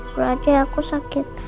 surah aja aku sakit